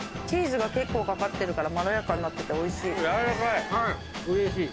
チーズが結構かかってるからまろやかになってておいしい。